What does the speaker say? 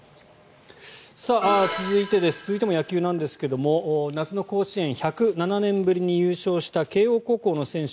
続いても野球なんですが夏の甲子園１０７年ぶりに優勝した慶応高校の選手